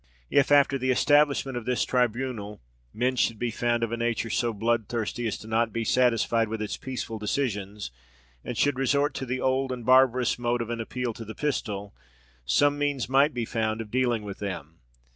If, after the establishment of this tribunal, men should be found of a nature so bloodthirsty as not to be satisfied with its peaceful decisions, and should resort to the old and barbarous mode of an appeal to the pistol, some means might be found of dealing with them.